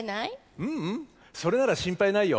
ううんそれなら心配ないよ。